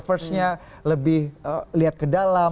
first nya lebih lihat ke dalam